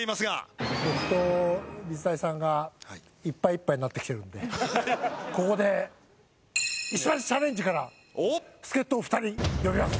僕と水谷さんがいっぱいいっぱいになってきてるんでここで石橋チャレンジから助っ人を２人呼びます。